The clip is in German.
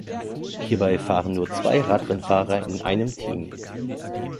Hierbei fahren nur zwei Radrennfahrer in einem Team.